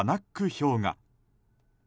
氷河。